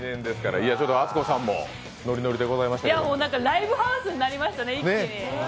ライブハウスになりましたね、一気に。